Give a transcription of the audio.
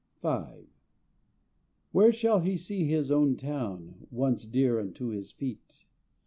V Where shall he see his own town Once dear unto his feet?